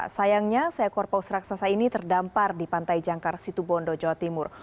sayangnya seekor paus raksasa ini terdampar di pantai jangkar situbondo jawa timur